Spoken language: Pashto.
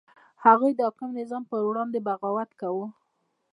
هغوی د حاکم نظام په وړاندې بغاوت کاوه.